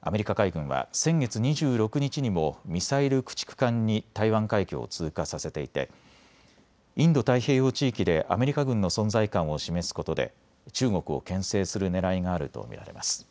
アメリカ海軍は先月２６日にもミサイル駆逐艦に台湾海峡を通過させていてインド太平洋地域でアメリカ軍の存在感を示すことで中国をけん制するねらいがあると見られます。